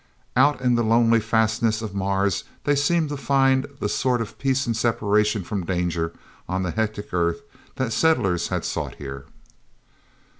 Out in the lonely fastnesses of Mars they seemed to find the sort of peace and separation from danger on the hectic Earth that the settlers had sought here.